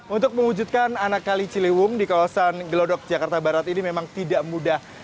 untuk mewujudkan anak kali ciliwung di kawasan gelodok jakarta barat ini memang tidak mudah